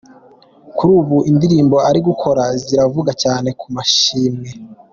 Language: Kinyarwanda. Kuri ubu indirimbo ari gukora ziravuga cyane ku mashimwe.